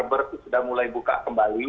salon barbeque sudah mulai buka kembali